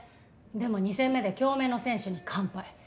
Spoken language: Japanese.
でも２戦目で京明の選手に完敗。